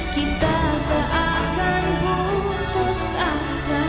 kita tak akan putus aksa